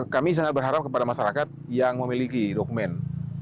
kami sangat berharap kepada masyarakat yang memiliki dokumen